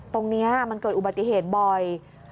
ตรงนี้มันเกิดอุบัติเหตุบ่อย